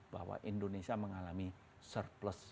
bahwa indonesia mengalami surplus